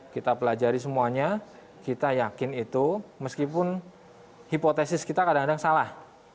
kita pelajari semuanya kita yakin itu meskipun hipotesis kita kadang kadang salah